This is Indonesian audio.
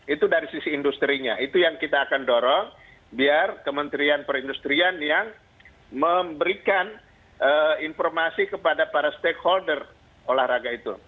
itu dari sisi industri nya itu yang kita akan dorong biar kementerian perindustrian yang memberikan informasi kepada para stakeholder olahraga itu